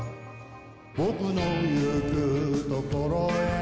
「僕の行く所へ」